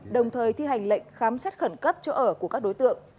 đồng thời thi hành lệnh khám xét khẩn cấp chỗ ở của các đối tượng